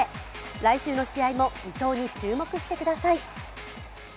来週の試合も伊東に注目してください。